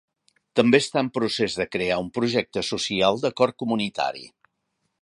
També està en procés de crear un projecte social de cor comunitari.